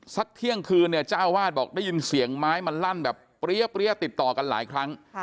เที่ยงคืนเนี่ยเจ้าอาวาสบอกได้ยินเสียงไม้มันลั่นแบบเปรี้ยติดต่อกันหลายครั้ง